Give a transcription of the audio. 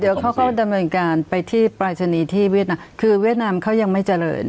เดี๋ยวเขาก็ดำเนินการไปที่ปรายศนีย์ที่เวียดนามคือเวียดนามเขายังไม่เจริญ